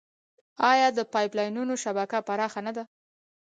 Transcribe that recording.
آیا د پایپ لاینونو شبکه پراخه نه ده؟